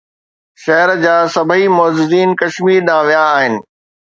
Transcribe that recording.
شهر جا سڀئي معززين ڪشمير ڏانهن ويا آهن.